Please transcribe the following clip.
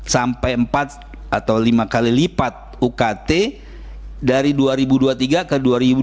sampai empat atau lima kali lipat ukt dari dua ribu dua puluh tiga ke dua ribu dua puluh